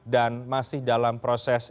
dan masih dalam proses